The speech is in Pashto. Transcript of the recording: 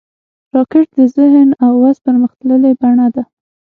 راکټ د ذهن او وس پرمختللې بڼه ده